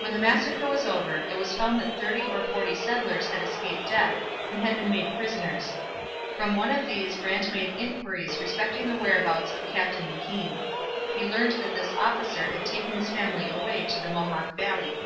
When the massacre was over, it was found that thirty or forty settlers had escaped death and had been made prisoners. From one of these Brant made inquiries respecting the whereabouts of Captain McKean. He learned that this officer had taken his family away to the Mohawk valley.